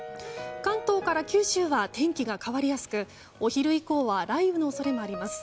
関東から九州は天気が変わりやすくお昼以降は雷雨の恐れもあります。